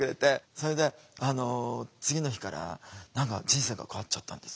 それで次の日から人生が変わっちゃったんです。